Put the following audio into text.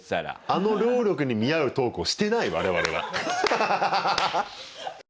あの労力に見合うトークをしてない我々は。